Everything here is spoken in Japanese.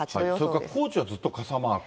それから高知がずっと傘マーク。